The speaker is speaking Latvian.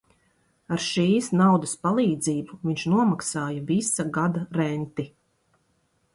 Ar šīs naudas palīdzību viņš nomaksāja visa gada renti.